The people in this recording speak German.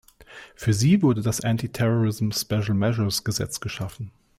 Für sie wurde das Anti-Terrorism Special Measures Gesetz geschaffen.